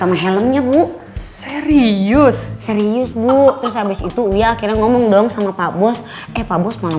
sama helmnya bu serius serius bu terus abis itu ia akhirnya ngomong dong sama pak bos eh pak bos malah